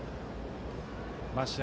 試合